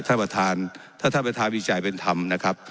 ถ้าท่านประธานวิจัยเป็นธรรมนะครับ